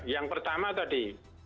yang pertama tadi